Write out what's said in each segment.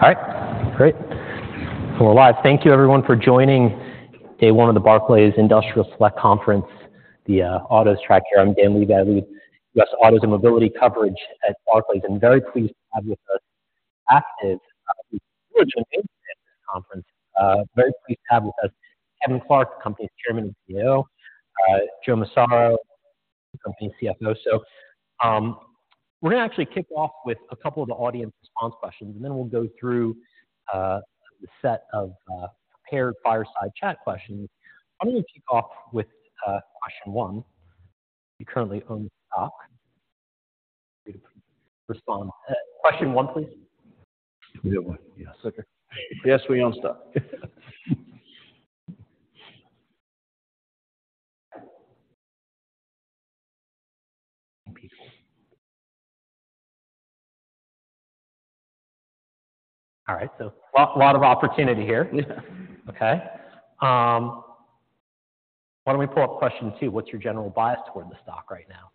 All right, great. So we're live. Thank you, everyone, for joining day one of the Barclays Industrial Select Conference, the autos track here. I'm Dan Levy, guy who leads U.S. autos and mobility coverage at Barclays, and very pleased to have with us Aptiv, who originally attended this conference, very pleased to have with us Kevin Clark, the company's Chairman and CEO, Joe Massaro, the company's CFO. So we're going to actually kick off with a couple of the audience response questions, and then we'll go through the set of prepared fireside chat questions. I'm going to kick off with question one. You currently own stock. Free to respond. Question one, please. We own one, yes. Yes, we own stock. Please pull. All right, so a lot of opportunity here. Okay. Why don't we pull up question two? What's your general bias toward the stock right now?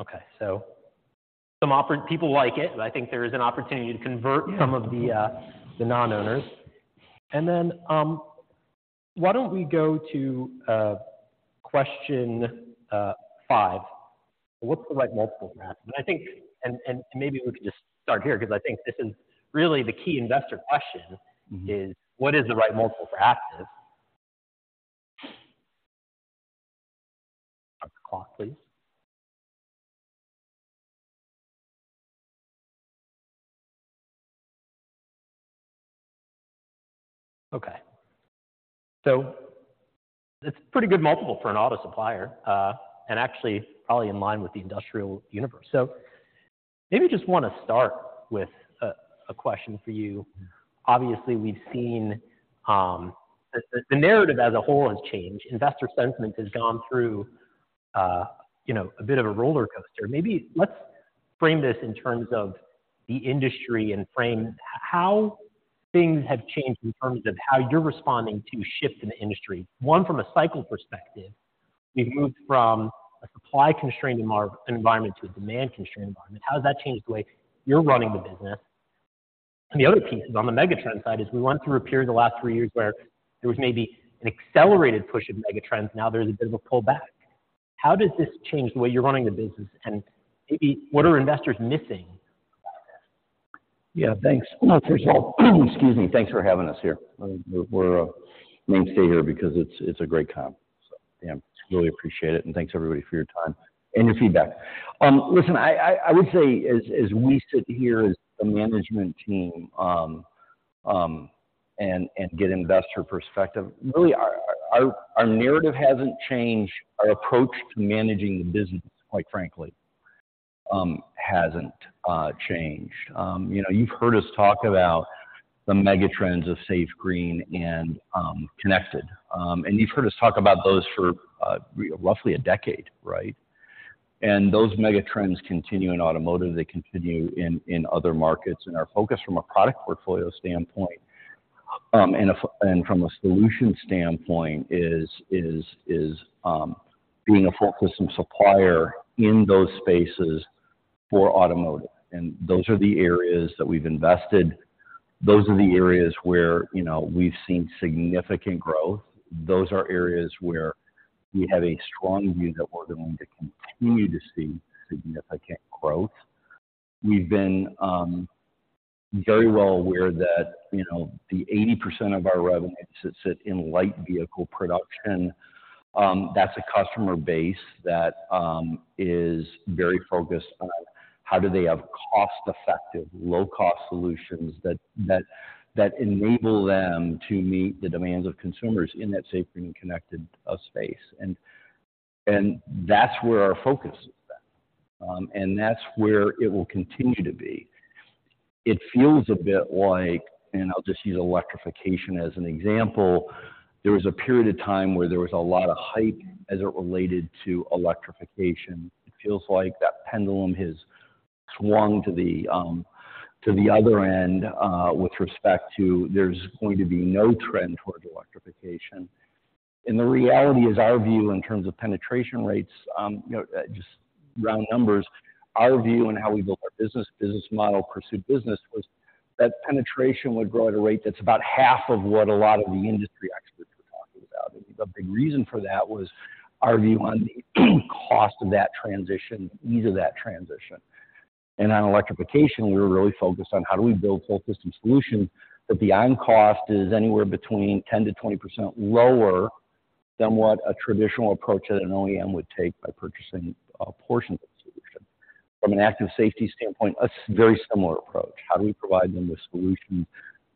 Okay, so some people like it, but I think there is an opportunity to convert some of the non-owners. And then why don't we go to question five? What's the right multiple for Aptiv? And I think, and maybe we could just start here because I think this is really the key investor question, is what is the right multiple for Aptiv? Start the clock, please. Okay. So that's a pretty good multiple for an auto supplier, and actually probably in line with the industrial universe. So maybe I just want to start with a question for you. Obviously, we've seen the narrative as a whole has changed. Investor sentiment has gone through a bit of a roller coaster. Maybe let's frame this in terms of the industry and frame how things have changed in terms of how you're responding to shifts in the industry. One, from a cycle perspective, we've moved from a supply-constrained environment to a demand-constrained environment. How has that changed the way you're running the business? And the other piece is on the megatrend side is we went through a period the last three years where there was maybe an accelerated push of megatrends. Now there's a bit of a pullback. How does this change the way you're running the business? And maybe what are investors missing about this? Yeah, thanks. First of all, excuse me, thanks for having us here. We're mainstay here because it's a great conference. So yeah, really appreciate it, and thanks everybody for your time and your feedback. Listen, I would say as we sit here as the management team and get investor perspective, really, our narrative hasn't changed. Our approach to managing the business, quite frankly, hasn't changed. You've heard us talk about the megatrends of Safe Green and Connected, and you've heard us talk about those for roughly a decade, right? And those megatrends continue in automotive. They continue in other markets. And our focus from a product portfolio standpoint and from a solution standpoint is being a full-system supplier in those spaces for automotive. And those are the areas that we've invested. Those are the areas where we've seen significant growth. Those are areas where we have a strong view that we're going to continue to see significant growth. We've been very well aware that the 80% of our revenues that sit in light vehicle production, that's a customer base that is very focused on how do they have cost-effective, low-cost solutions that enable them to meet the demands of consumers in that Safe Green and Connected space. That's where our focus is then, and that's where it will continue to be. It feels a bit like, and I'll just use electrification as an example, there was a period of time where there was a lot of hype as it related to electrification. It feels like that pendulum has swung to the other end with respect to there's going to be no trend towards electrification. The reality is our view in terms of penetration rates, just round numbers, our view and how we built our business, business model, pursued business was that penetration would grow at a rate that's about half of what a lot of the industry experts were talking about. A big reason for that was our view on the cost of that transition, the ease of that transition. On electrification, we were really focused on how do we build full-system solutions that the on-cost is anywhere between 10% to 20% lower than what a traditional approach at an OEM would take by purchasing a portion of the solution. From an active safety standpoint, a very similar approach. How do we provide them with solutions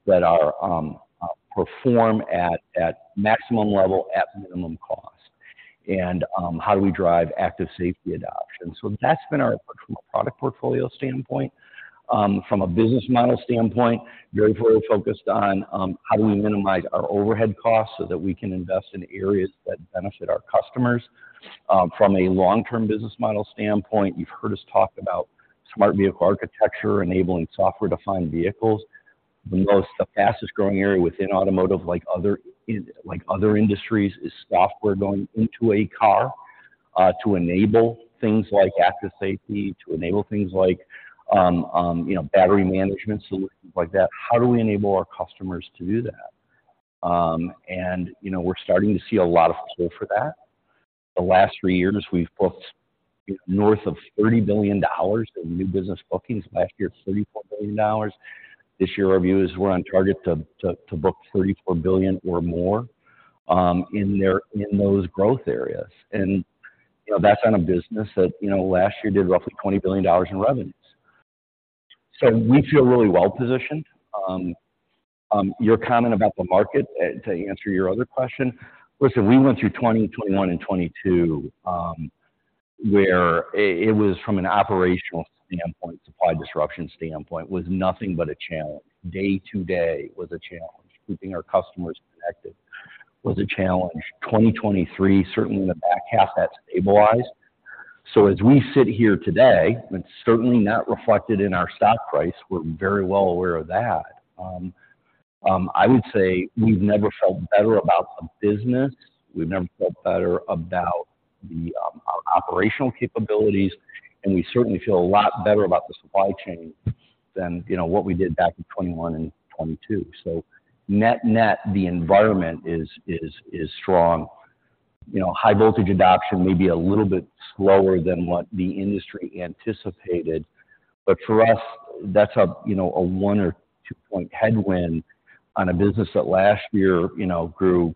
that perform at maximum level at minimum cost? How do we drive active safety adoption? So that's been our approach from a product portfolio standpoint. From a business model standpoint, very, very focused on how do we minimize our overhead costs so that we can invest in areas that benefit our customers? From a long-term business model standpoint, you've heard us talk about Smart Vehicle Architecture, enabling software-defined vehicles. The fastest growing area within automotive, like other industries, is software going into a car to enable things like Active Safety, to enable things like battery management solutions like that. How do we enable our customers to do that? And we're starting to see a lot of pull for that. The last three years, we've booked north of $30 billion in new business bookings. Last year, $34 billion. This year, our view is we're on target to book $34 billion or more in those growth areas. That's on a business that last year did roughly $20 billion in revenues. We feel really well-positioned. Your comment about the market, to answer your other question, listen, we went through 2021 and 2022 where it was, from an operational standpoint, supply disruption standpoint, was nothing but a challenge. Day to day was a challenge. Keeping our customers connected was a challenge. 2023, certainly in the back half, that stabilized. As we sit here today, it's certainly not reflected in our stock price. We're very well aware of that. I would say we've never felt better about the business. We've never felt better about our operational capabilities. And we certainly feel a lot better about the supply chain than what we did back in 2021 and 2022. Net-net, the environment is strong. high-voltage adoption may be a little bit slower than what the industry anticipated. But for us, that's a 1- or 2-point headwind on a business that last year grew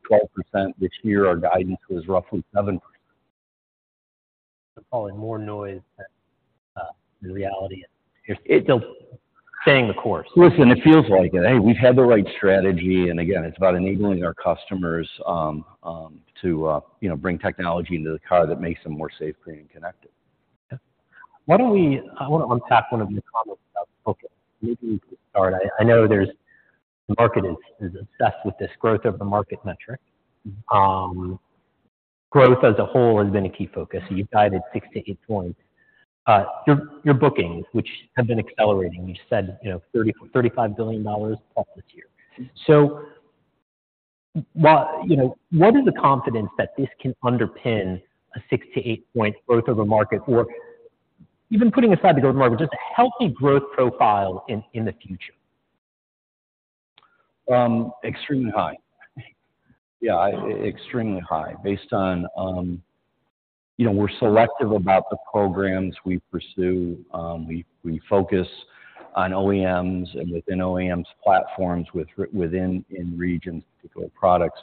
12%. This year, our guidance was roughly 7%. They're calling more noise than reality. They're staying the course. Listen, it feels like it. Hey, we've had the right strategy. And again, it's about enabling our customers to bring technology into the car that makes them more safe, green, and connected. Yeah. I want to unpack one of your comments about focus. Maybe we can start. I know the market is obsessed with this growth of the market metric. Growth as a whole has been a key focus. You've guided 6 to 8 points. Your bookings, which have been accelerating, you said $35 billion plus this year. So what is the confidence that this can underpin a 6 to 8-point growth of the market, or even putting aside the growth market, just a healthy growth profile in the future? Extremely high. Yeah, extremely high. We're selective about the programs we pursue. We focus on OEMs and within OEMs' platforms within regions, particular products,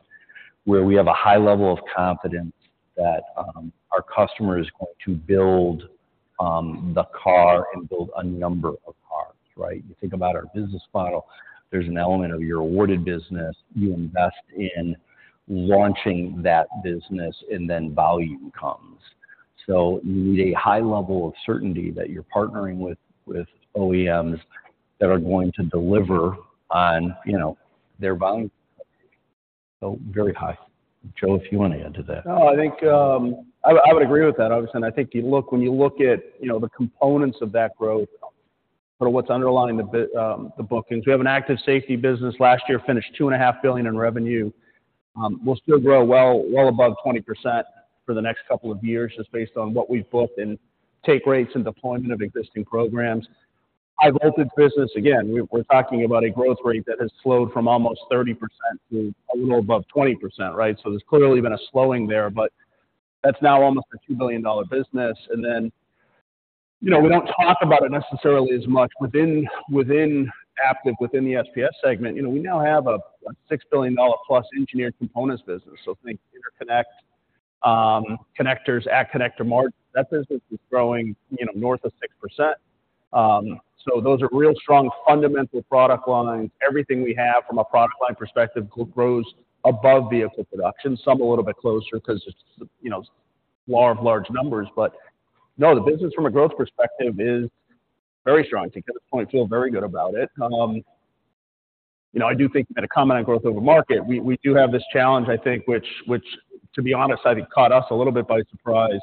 where we have a high level of confidence that our customer is going to build the car and build a number of cars, right? You think about our business model. There's an element of you're awarded business. You invest in launching that business, and then value comes. So you need a high level of certainty that you're partnering with OEMs that are going to deliver on their value. So very high. Joe, if you want to add to that. No, I think I would agree with that, obviously. I think when you look at the components of that growth, what's underlying the bookings, we have an active safety business. Last year, finished $2.5 billion in revenue. We'll still grow well above 20% for the next couple of years just based on what we've booked and take rates and deployment of existing programs. High-voltage business, again, we're talking about a growth rate that has slowed from almost 30% to a little above 20%, right? So there's clearly been a slowing there, but that's now almost a $2 billion business. Then we don't talk about it necessarily as much. Within active, within the SPS segment, we now have a $6 billion+ engineered components business. So think Interconnect, connectors, At Connector Mart. That business is growing north of 6%. So those are real strong fundamental product lines. Everything we have from a product line perspective grows above vehicle production. Some a little bit closer because it's law of large numbers. But no, the business, from a growth perspective, is very strong. The company at this point feels very good about it. I do think you had a comment on growth over market. We do have this challenge, I think, which, to be honest, I think caught us a little bit by surprise,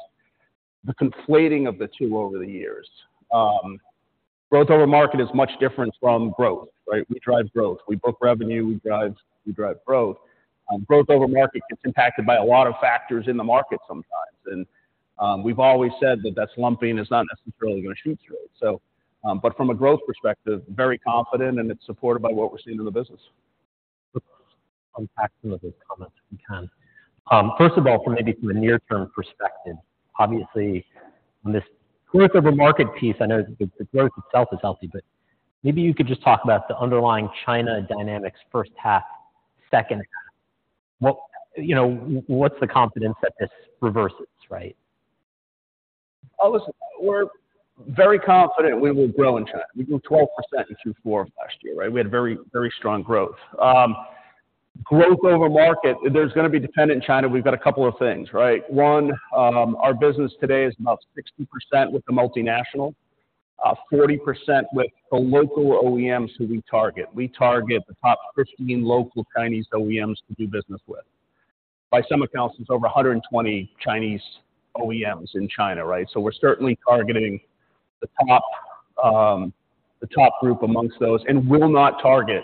the conflating of the two over the years. Growth over market is much different from growth, right? We drive growth. We book revenue. We drive growth. Growth over market gets impacted by a lot of factors in the market sometimes. And we've always said that that slumping is not necessarily going to shoot straight. But from a growth perspective, very confident, and it's supported by what we're seeing in the business. Let's unpack some of those comments if we can. First of all, maybe from a near-term perspective, obviously, on this growth over market piece, I know the growth itself is healthy, but maybe you could just talk about the underlying China dynamics first half, second half. What's the confidence that this reverses, right? Listen, we're very confident we will grow in China. We grew 12% in Q4 of last year, right? We had very, very strong growth. Growth over market, there's going to be dependent in China. We've got a couple of things, right? One, our business today is about 60% with a multinational, 40% with the local OEMs who we target. We target the top 15 local Chinese OEMs to do business with. By some accounts, it's over 120 Chinese OEMs in China, right? So we're certainly targeting the top group amongst those and will not target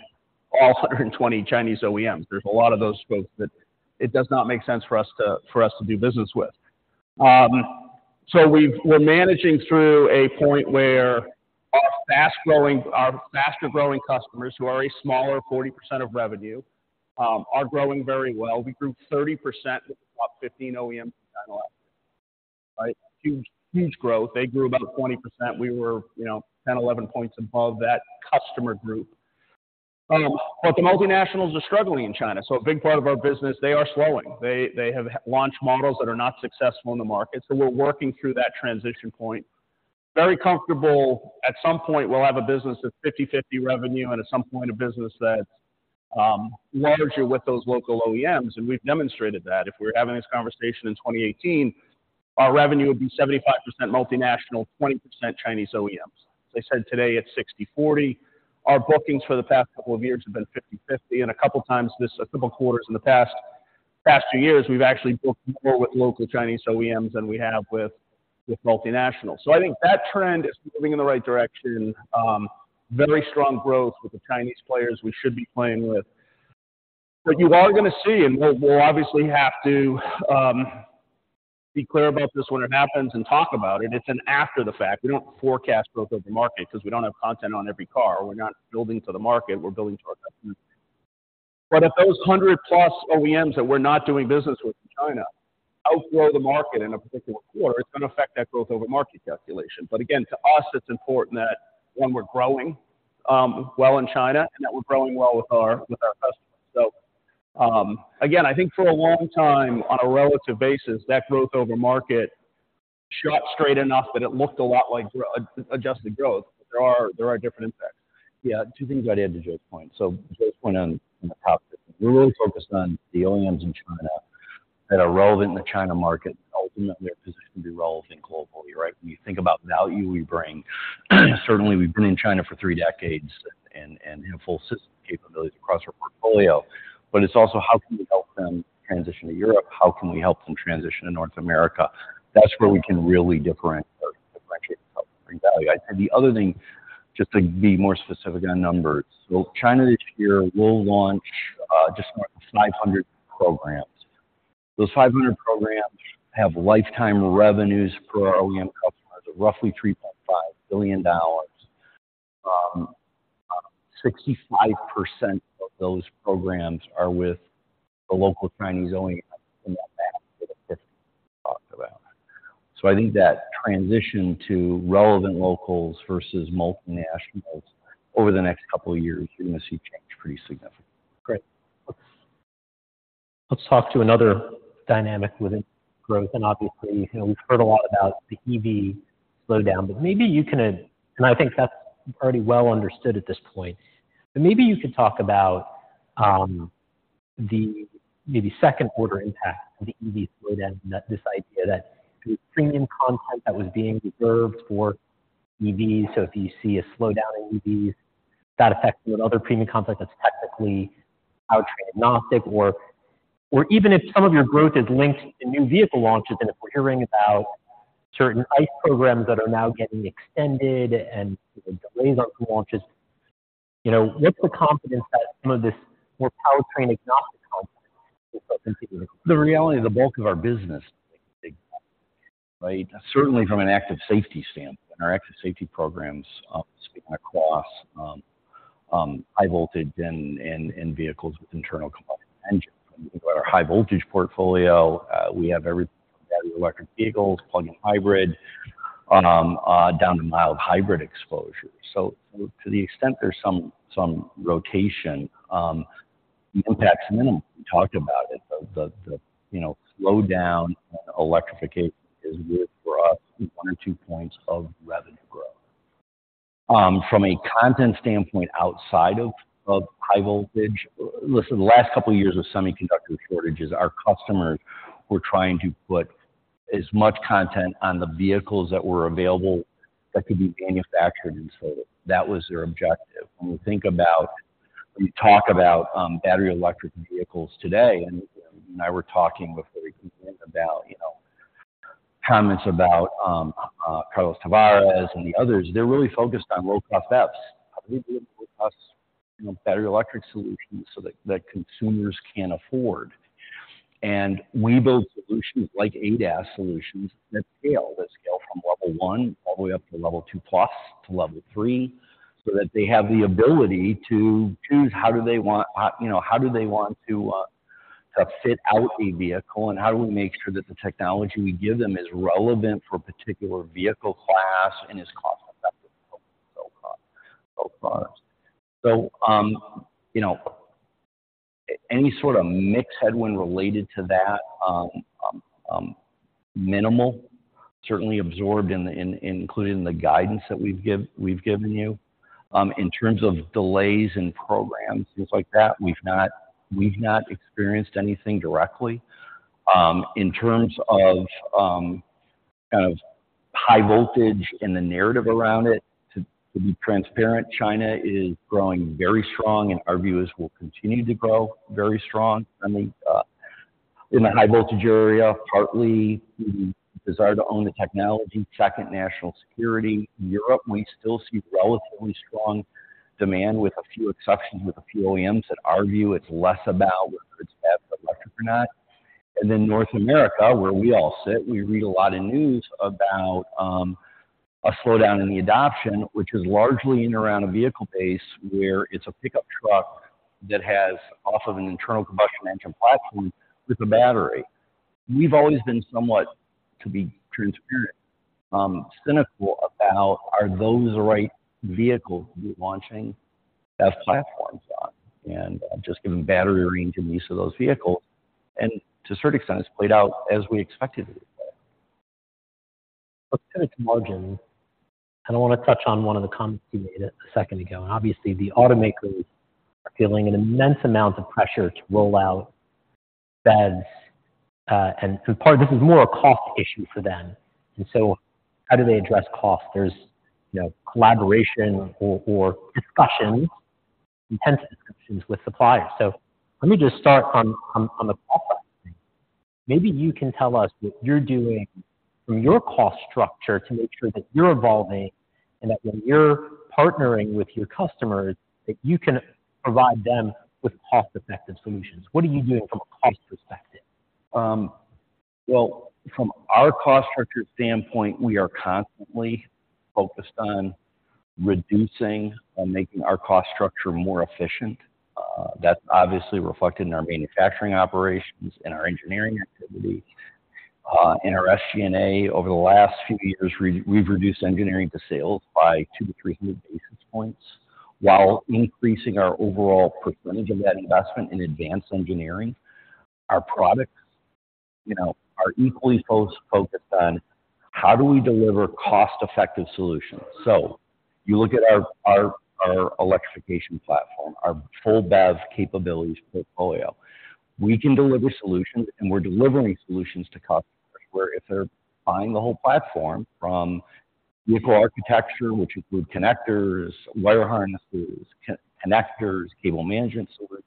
all 120 Chinese OEMs. There's a lot of those folks that it does not make sense for us to do business with. So we're managing through a point where our faster growing customers, who are a smaller 40% of revenue, are growing very well. We grew 30% with the top 15 OEMs in China last year, right? Huge growth. They grew about 20%. We were 10, 11 points above that customer group. But the multinationals are struggling in China. So a big part of our business, they are slowing. They have launched models that are not successful in the market. So we're working through that transition point. Very comfortable. At some point, we'll have a business that's 50/50 revenue and at some point a business that's larger with those local OEMs. And we've demonstrated that. If we were having this conversation in 2018, our revenue would be 75% multinational, 20% Chinese OEMs. As I said today, it's 60/40. Our bookings for the past couple of years have been 50/50. And a couple of times, in a couple of quarters in the past few years, we've actually booked more with local Chinese OEMs than we have with multinationals. So I think that trend is moving in the right direction. Very strong growth with the Chinese players we should be playing with. But you are going to see, and we'll obviously have to be clear about this when it happens and talk about it; it's an after-the-fact. We don't forecast growth over market because we don't have content on every car. We're not building to the market. We're building to our customers. But if those 100+ OEMs that we're not doing business with in China outgrow the market in a particular quarter, it's going to affect that growth over market calculation. But again, to us, it's important that, one, we're growing well in China and that we're growing well with our customers. So again, I think for a long time, on a relative basis, that growth over market shot straight enough that it looked a lot like adjusted growth. There are different impacts. Yeah. Two things I'd add to Joe's point. So Joe's point on the top 15, we're really focused on the OEMs in China that are relevant in the China market. Ultimately, our position can be relevant globally, right? When you think about value we bring, certainly, we've been in China for three decades and have full system capabilities across our portfolio. But it's also how can we help them transition to Europe? How can we help them transition to North America? That's where we can really differentiate ourselves and bring value. I'd say the other thing, just to be more specific on numbers, so China this year will launch just more than 500 programs. Those 500 programs have lifetime revenues per OEM customers of roughly $3.5 billion. 65% of those programs are with the local Chinese OEMs in that basket of 50 that we talked about. So I think that transition to relevant locals versus multinationals over the next couple of years, you're going to see change pretty significantly. Great. Let's talk to another dynamic within growth. And obviously, we've heard a lot about the EV slowdown. But maybe you can and I think that's already well understood at this point. But maybe you could talk about the maybe second-order impact of the EV slowdown, this idea that premium content that was being reserved for EVs so if you see a slowdown in EVs, that affects some of the other premium content that's technically powertrain agnostic. Or even if some of your growth is linked to new vehicle launches and if we're hearing about certain ICE programs that are now getting extended and delays on some launches, what's the confidence that some of this more powertrain agnostic content will still continue to grow? The reality, the bulk of our business is big growth, right? Certainly, from an Active Safety standpoint, our Active Safety programs span across High-Voltage and vehicles with internal combustion engines. When you think about our High-Voltage portfolio, we have everything from battery electric vehicles, plug-in hybrid, down to mild hybrid exposure. So to the extent there's some rotation, the impact's minimal. We talked about it. The slowdown in electrification is worth for us 1 or 2 points of revenue growth. From a content standpoint outside of High-Voltage listen, the last couple of years of semiconductor shortages, our customers were trying to put as much content on the vehicles that were available that could be manufactured and sold. That was their objective. When you think about when you talk about battery electric vehicles today, and you and I were talking before we came in about comments about Carlos Tavares and the others, they're really focused on low-cost EVs, how do we build low-cost battery electric solutions so that consumers can afford. And we build solutions like ADAS solutions that scale. They scale from level one all the way up to level two-plus to level three so that they have the ability to choose how do they want how do they want to fit out a vehicle, and how do we make sure that the technology we give them is relevant for a particular vehicle class and is cost-effective and so on and so forth. So any sort of mixed headwind related to that, minimal, certainly absorbed including in the guidance that we've given you. In terms of delays and programs, things like that, we've not experienced anything directly. In terms of kind of high voltage and the narrative around it, to be transparent, China is growing very strong, and our view is we'll continue to grow very strong. In the high-voltage area, partly the desire to own the technology, second, national security. Europe, we still see relatively strong demand with a few exceptions, with a few OEMs that our view it's less about whether it's battery electric or not. And then North America, where we all sit, we read a lot of news about a slowdown in the adoption, which is largely in and around a vehicle base where it's a pickup truck that has off of an internal combustion engine platform with a battery. We've always been somewhat, to be transparent, cynical about, are those the right vehicles to be launching EV platforms on and just giving battery range in each of those vehicles? And to a certain extent, it's played out as we expected it to play. Let's pivot to margins. I don't want to touch on one of the comments you made a second ago. Obviously, the automakers are feeling an immense amount of pressure to roll out EVs. Part of this is more a cost issue for them. So how do they address cost? There's collaboration or discussions, intense discussions, with suppliers. So let me just start on the cost side of things. Maybe you can tell us what you're doing from your cost structure to make sure that you're evolving and that when you're partnering with your customers, that you can provide them with cost-effective solutions. What are you doing from a cost perspective? Well, from our cost structure standpoint, we are constantly focused on reducing and making our cost structure more efficient. That's obviously reflected in our manufacturing operations, in our engineering activity. In our SG&A, over the last few years, we've reduced engineering to sales by 2 to 300 basis points while increasing our overall percentage of that investment in advanced engineering. Our products are equally focused on, how do we deliver cost-effective solutions? So you look at our electrification platform, our full BEV capabilities portfolio. We can deliver solutions, and we're delivering solutions to customers where if they're buying the whole platform from vehicle architecture, which include connectors, wire harnesses, connectors, cable management solutions,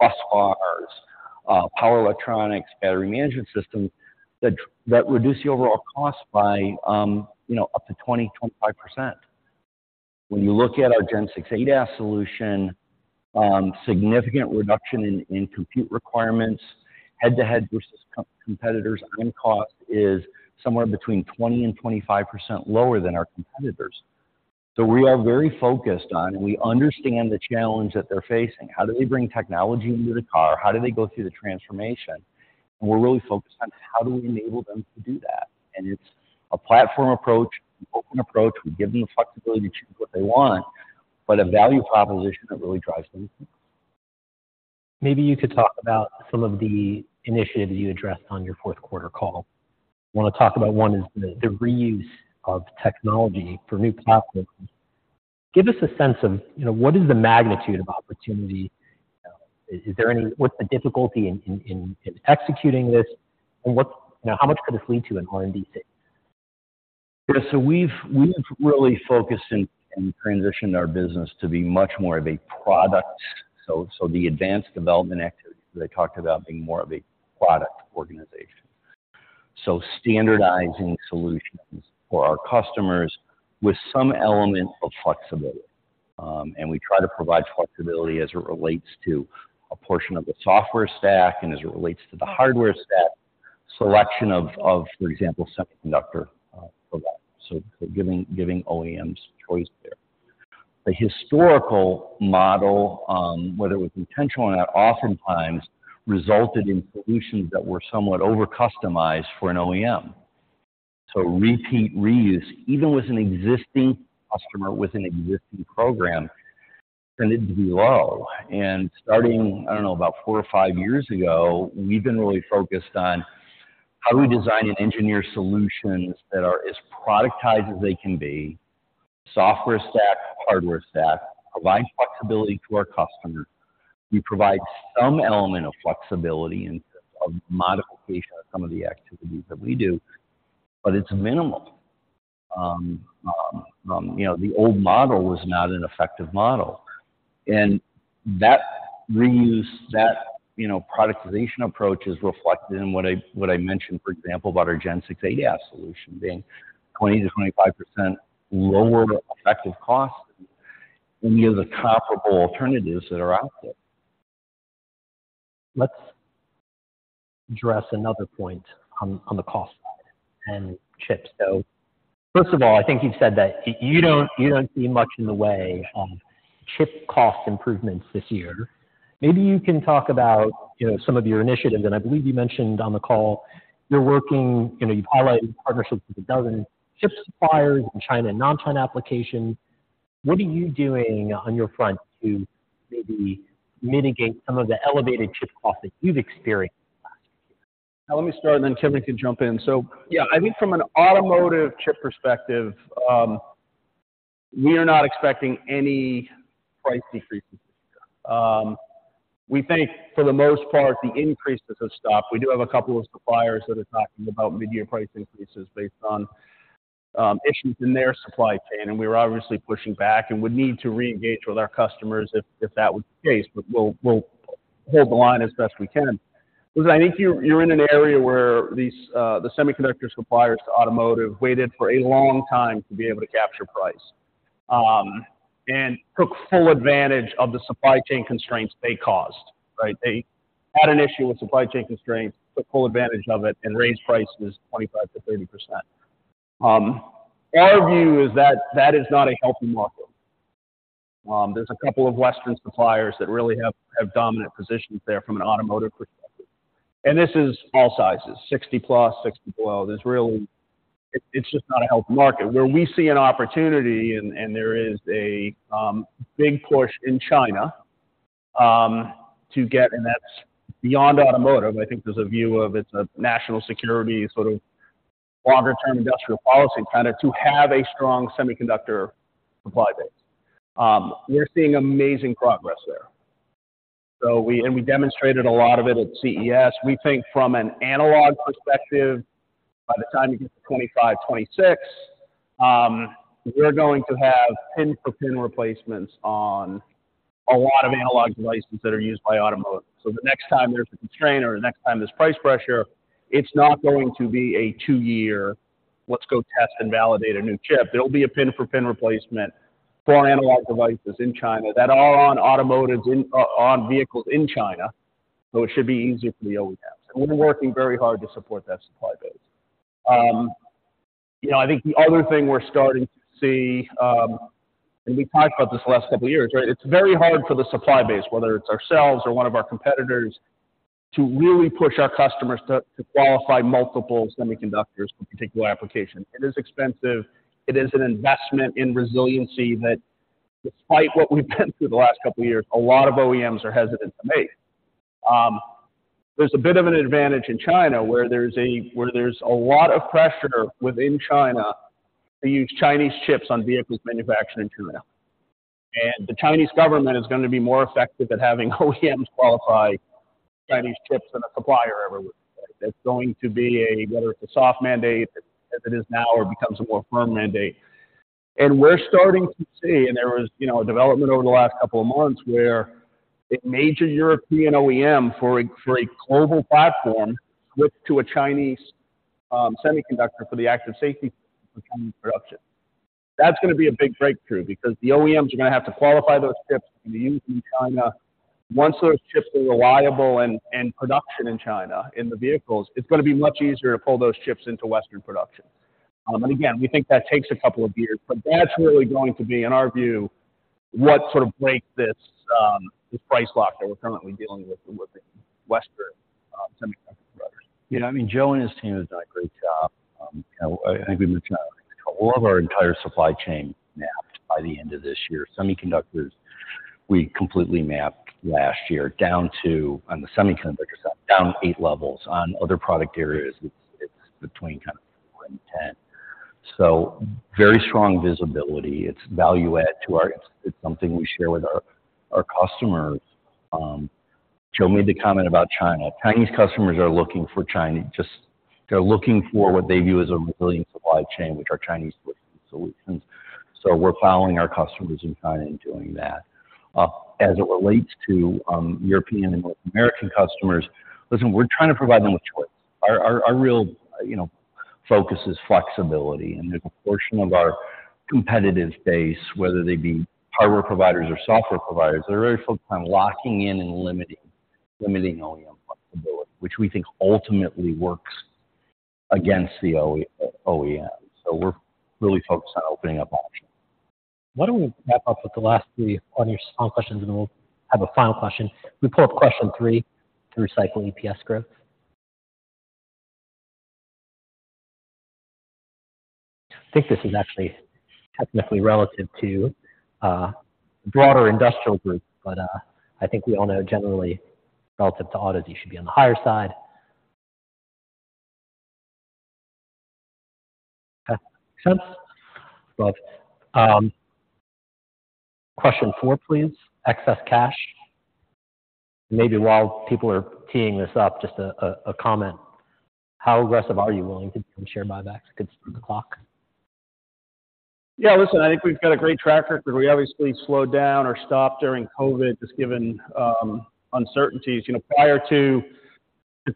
bus bars, power electronics, battery management systems, that reduce the overall cost by up to 20% to 25%. When you look at our Gen 6 ADAS solution, significant reduction in compute requirements, head-to-head versus competitors on cost is somewhere between 20% to 25% lower than our competitors. So we are very focused on, and we understand the challenge that they're facing. How do they bring technology into the car? How do they go through the transformation? And we're really focused on, how do we enable them to do that? And it's a platform approach, an open approach. We give them the flexibility to choose what they want, but a value proposition that really drives them forward. Maybe you could talk about some of the initiatives you addressed on your Q4 call. I want to talk about one is the reuse of technology for new platforms. Give us a sense of what is the magnitude of opportunity? What's the difficulty in executing this? And how much could this lead to an R&D sale? Yeah. So we've really focused and transitioned our business to be much more of a product so the advanced development activities that I talked about being more of a product organization. So standardizing solutions for our customers with some element of flexibility. And we try to provide flexibility as it relates to a portion of the software stack and as it relates to the hardware stack, selection of, for example, semiconductor providers. So giving OEMs choice there. The historical model, whether it was intentional or not, oftentimes resulted in solutions that were somewhat over-customized for an OEM. So repeat reuse, even with an existing customer, with an existing program, tended to be low. Starting, I don't know, about 4 or 5 years ago, we've been really focused on, how do we design and engineer solutions that are as productized as they can be, software stack, hardware stack, provide flexibility to our customer? We provide some element of flexibility in terms of modification of some of the activities that we do, but it's minimal. The old model was not an effective model. That reuse, that productization approach is reflected in what I mentioned, for example, about our Gen 6 ADAS solution being 20% to 25% lower effective cost than any of the comparable alternatives that are out there. Let's address another point on the cost side and chips. First of all, I think you've said that you don't see much in the way of chip cost improvements this year. Maybe you can talk about some of your initiatives. I believe you mentioned on the call you've highlighted partnerships with a dozen chip suppliers in China and non-China applications. What are you doing on your front to maybe mitigate some of the elevated chip costs that you've experienced last year? Yeah. Let me start, and then Kevin can jump in. So yeah, I think from an automotive chip perspective, we are not expecting any price decreases this year. We think, for the most part, the increases have stopped. We do have a couple of suppliers that are talking about midyear price increases based on issues in their supply chain. And we're obviously pushing back and would need to reengage with our customers if that was the case. But we'll hold the line as best we can. Listen, I think you're in an area where the semiconductor suppliers to automotive waited for a long time to be able to capture price and took full advantage of the supply chain constraints they caused, right? They had an issue with supply chain constraints, took full advantage of it, and raised prices 25% to 30%. Our view is that that is not a healthy market. There's a couple of Western suppliers that really have dominant positions there from an automotive perspective. And this is all sizes, 60+, below 60. It's just not a healthy market. Where we see an opportunity and there is a big push in China to get and that's beyond automotive. I think there's a view of it's a national security sort of longer-term industrial policy kind of to have a strong semiconductor supply base. We're seeing amazing progress there. And we demonstrated a lot of it at CES. We think from an analog perspective, by the time it gets to 2025, 2026, we're going to have pin-for-pin replacements on a lot of analog devices that are used by automotive. So the next time there's a constraint or the next time there's price pressure, it's not going to be a 2-year, "Let's go test and validate a new chip." There'll be a pin-for-pin replacement for analog devices in China that are on vehicles in China. So it should be easier for the OEMs. We're working very hard to support that supply base. I think the other thing we're starting to see and we talked about this the last couple of years, right? It's very hard for the supply base, whether it's ourselves or one of our competitors, to really push our customers to qualify multiple semiconductors for a particular application. It is expensive. It is an investment in resiliency that, despite what we've been through the last couple of years, a lot of OEMs are hesitant to make. There's a bit of an advantage in China where there's a lot of pressure within China to use Chinese chips on vehicles manufactured in China. The Chinese government is going to be more effective at having OEMs qualify Chinese chips than a supplier ever would. It's going to be, whether it's a soft mandate as it is now or becomes a more firm mandate. We're starting to see and there was a development over the last couple of months where a major European OEM for a global platform switched to a Chinese semiconductor for the active safety system for Chinese production. That's going to be a big breakthrough because the OEMs are going to have to qualify those chips. They're going to use them in China. Once those chips are reliable in production in China, in the vehicles, it's going to be much easier to pull those chips into Western production. And again, we think that takes a couple of years. But that's really going to be, in our view, what sort of breaks this price lock that we're currently dealing with Western semiconductor providers. Yeah. I mean, Joe and his team have done a great job. I think we mentioned it on the next call. We'll have our entire supply chain mapped by the end of this year. Semiconductors, we completely mapped last year down to on the semiconductor side, down eight levels. On other product areas, it's between kind of four and 10. So very strong visibility. It's value-add to our it's something we share with our customers. Joe made the comment about China. Chinese customers are looking for China just they're looking for what they view as a resilient supply chain, which are Chinese solutions. So we're following our customers in China and doing that. As it relates to European and North American customers, listen, we're trying to provide them with choice. Our real focus is flexibility. There's a portion of our competitive base, whether they be hardware providers or software providers, they're very focused on locking in and limiting OEM flexibility, which we think ultimately works against the OEM. So we're really focused on opening up options. Why don't we wrap up with the last three on your small questions, and then we'll have a final question? We pull up question three. To recycle EPS growth? I think this is actually technically relative to the broader industrial group, but I think we all know generally, relative to autos, you should be on the higher side. Okay. Makes sense? Love. Question four, please. Excess cash. And maybe while people are teeing this up, just a comment. How aggressive are you willing to be on share buybacks? It could start the clock. Yeah. Listen, I think we've got a great track record. We obviously slowed down or stopped during COVID just given uncertainties. Prior to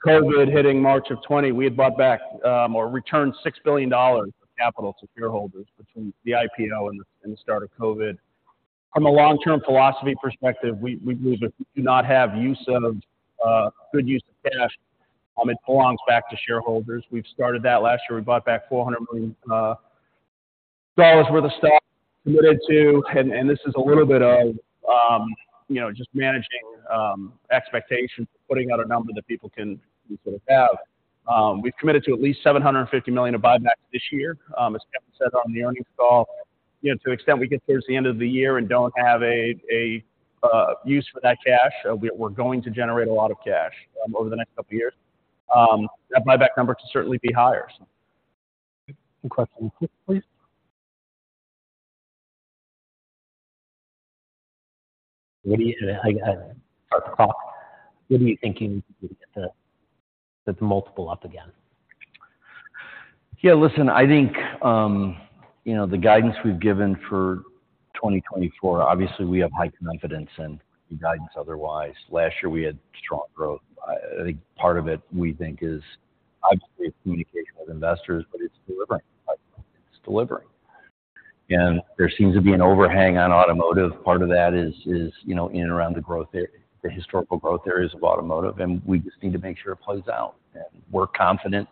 COVID hitting March of 2020, we had bought back or returned $6 billion of capital to shareholders between the IPO and the start of COVID. From a long-term philosophy perspective, we believe if we do not have good use of cash, it belongs back to shareholders. We've started that last year. We bought back $400 million worth of stock committed to. And this is a little bit of just managing expectations and putting out a number that people can sort of have. We've committed to at least $750 million of buybacks this year. As Kevin said on the earnings call, to the extent we get towards the end of the year and don't have a use for that cash, we're going to generate a lot of cash over the next couple of years. That buyback number could certainly be higher. Okay. Question six, please. Start the clock. What do you think you need to do to get the multiple up again? Yeah. Listen, I think the guidance we've given for 2024, obviously, we have high confidence in the guidance otherwise. Last year, we had strong growth. I think part of it, we think, is obviously communication with investors, but it's delivering. It's delivering. And there seems to be an overhang on automotive. Part of that is in and around the historical growth areas of automotive. And we just need to make sure it plays out. And we're confident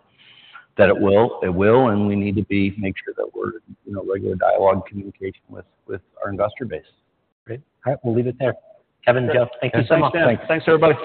that it will. It will. And we need to make sure that we're in regular dialogue and communication with our investor base. Great. All right. We'll leave it there. Kevin, Joe, thank you so much. Thanks, man. Thanks, Robert.